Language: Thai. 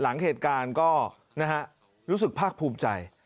หลังเหตุการณ์ก็นะฮะรู้สึกภาคภูมิใจ